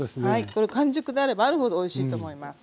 これ完熟であればあるほどおいしいと思います。